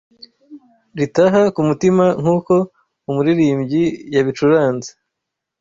ritaha ku mutima nk’uko umuririmbyi yabicuranze